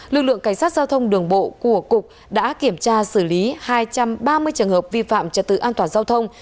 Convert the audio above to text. lực lượng cảnh sát giao thông đường bộ của cục đã kiểm tra xử lý hai trăm ba mươi trường hợp vi phạm trật tự an toàn giao thông